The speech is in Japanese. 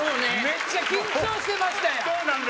めっちゃ緊張してましたやん。